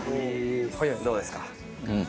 どうですか？